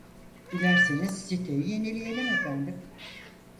Dilerseniz siteyi yenileyelim efendim